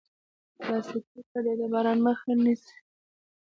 پلاستيکي پردې د باران مخه نیسي.